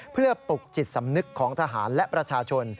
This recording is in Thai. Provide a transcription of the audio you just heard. เพื่อปลุกจิตสำนึกของทหารและประชาชน